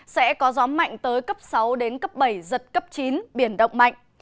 sẽ có gió mạnh tới cấp sáu đến cấp bảy giật cấp chín biển động mạnh